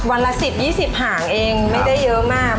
วันละ๑๐๒๐หางเองไม่ได้เยอะมาก